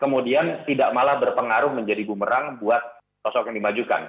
kemudian tidak malah berpengaruh menjadi bumerang buat sosok yang dimajukan